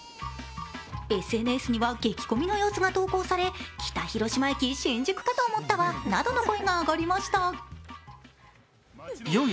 ＳＮＳには激混みの様子が投稿され北広島駅、新宿駅かと思ったわなどの声が上がりました。